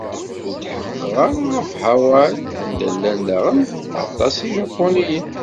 Ur tḥeqqeɣ ara ɣef Haway, anda llan daɣen waṭas Ijapuniyen.